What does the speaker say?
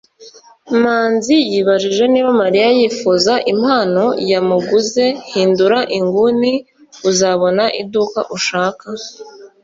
manzi yibajije niba mariya yifuza impano yamuguze hindura inguni uzabona iduka ushaka